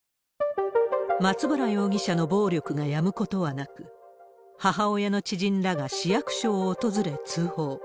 松原容疑者の暴力がやむことはなく、母親の知人らが市役所を訪れ、通報。